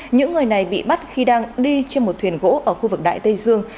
những người này bị bắt khi đang đi trên một thuyền gỗ ở khu vực đại tây dương